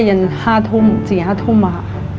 เย็นห้าทุ่มจีนห้าทุ่มค่ะ